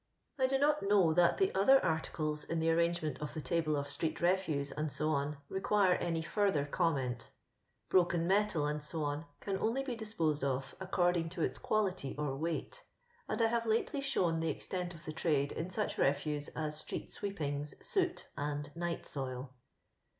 I do not know that the other articles in tbe arrangement of the table of street refuse, Soc^ \ requu*o any further comment. Broken xnettl, | <fec., can only be disposed of according to its quality or weight, and I havo lately shown tba extent of the trade in such refiise as street sweepings, soot, and night soil.